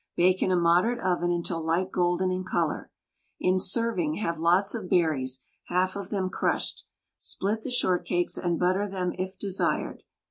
Bake in a moderate oven until light golden in color. In serving have lots of berries — half of them — crushed. Split the shortcakes and butter them, if desired.